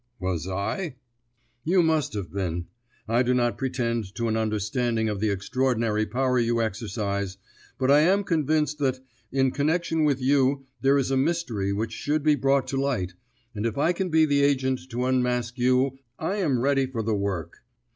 "Was I?" "You must have been. I do not pretend to an understanding of the extraordinary power you exercise, but I am convinced that, in connection with you, there is a mystery which should be brought to light, and if I can be the agent to unmask you I am ready for the work.